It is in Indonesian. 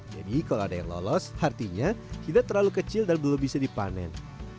jadi kalau ada yang lolos artinya tidak terlalu kecil dan belum bisa dipanen